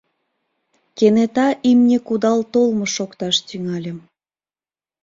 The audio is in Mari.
Кенета имне кудал толмо шокташ тӱҥале.